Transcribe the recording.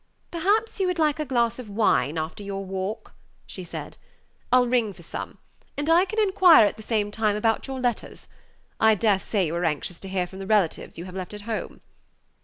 "Perhaps you would like a glass of wine after your walk?" she said; "I'll ring for some, and I can inquire at the same time about your letters. I dare say you are anxious to hear from the relatives you have left at home."